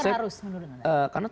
karena tentang uang